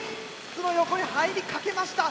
筒の横へ入りかけました。